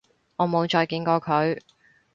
我冇再見過佢